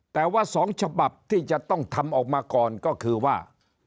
แต่ว่า๒ฉบับที่จะต้องทำออกมาก่อนก็คือว่า